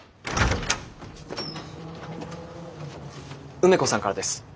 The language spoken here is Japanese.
梅子さんからです。